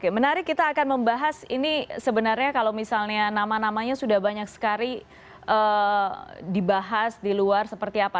menarik kita akan membahas ini sebenarnya kalau misalnya nama namanya sudah banyak sekali dibahas di luar seperti apa